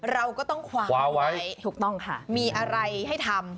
เราก็ต้องคว้าไว้ถูกต้องค่ะมีอะไรให้ทำ